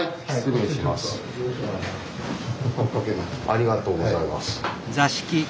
ありがとうございます。